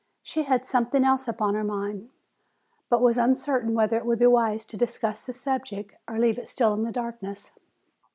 She had something else upon her mind, but was uncertain whether it would be wise to discuss the subject, or leave it still in darkness.